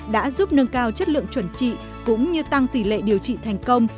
đã giúp nâng cao chất lượng chuẩn trị cũng như tăng tỷ lệ điều trị thành công